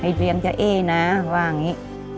ให้เรียงเจ้าแอ้นะว่าอย่างนี้